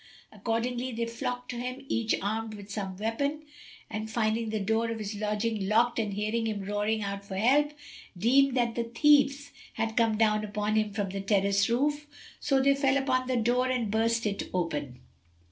Accordingly they flocked to him each armed with some weapon and finding the door of his lodging locked and hearing him roaring out for help, deemed that the thieves had come down upon him from the terrace roof; so they fell upon the door and burst it open.